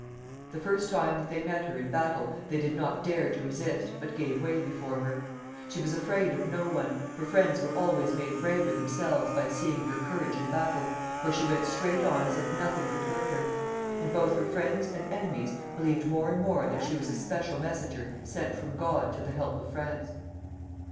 The first time that they met her in battle they did not dare to resist, but gave way before her. She was afraid of no one ; her friends were always made braver themselves 204 CHARLES VIL [CH. ,^,,,,|■!■■!■ II ^__« rr — M^ — I '^ I' ~r \ by seeing her courage in battle, for she went straight on as if nothing conld hurt her; and .both her friends and enemies believed. more and more that she was a special messenger sent from God to the help of France.